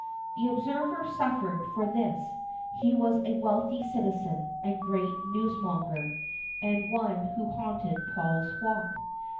The observer suffered for this; he was a wealthy citizen, and great newsmonger, and one who haunted Paul's Walk.